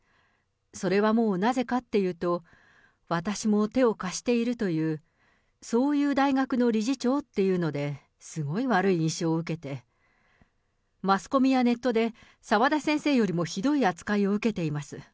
それはもうなぜかっていうと、私も手を貸しているというそういう大学の理事長っていうので、すごい悪い印象を受けて、マスコミやネットで澤田先生よりもひどい扱いを受けています。